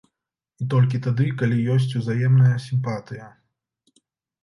І толькі тады, калі ёсць узаемная сімпатыя.